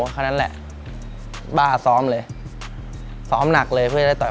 เท่านั้นแหละบ้าซ้อมเลยซ้อมหนักเลยเพื่อจะได้ต่อย